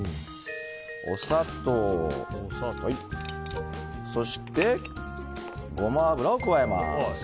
お砂糖、そしてゴマ油を加えます。